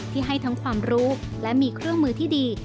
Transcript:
ที่ให้ทั้งความรู้และมีเครื่องมือที่ดี